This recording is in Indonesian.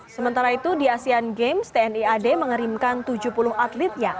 sementara itu di asean games tni ad mengerimkan tujuh puluh atletnya